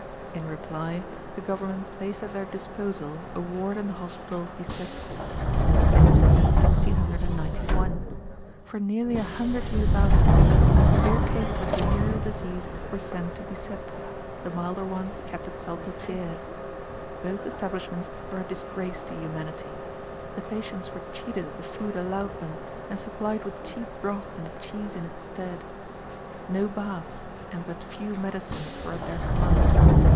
In reply, the government placed at their disposal a ward in the hospital of Bicêtre. This was in 1691. For nearly a hundred years afterward the severe cases of venereal disease were sent to Bicêtre, the milder ones kept at Salpétrière. Both establishments were a disgrace to humanity. The patients were cheated of the food allowed them, and supplied with cheap broth and cheese in its stead. No baths, and but few medicines were at their command.